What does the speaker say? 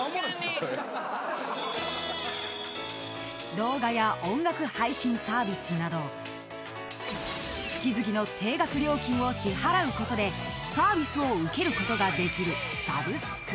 ［動画や音楽配信サービスなど月々の定額料金を支払うことでサービスを受けることができる］